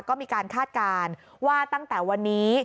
ก็มีการคาดการณ์ว่าตั้งแต่วันนี้